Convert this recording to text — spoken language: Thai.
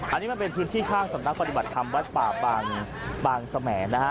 อันนี้มันเป็นพื้นที่ข้างสำนักปฏิบัติธรรมวัดป่าบางสมัยนะฮะ